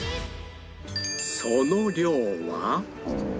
その量は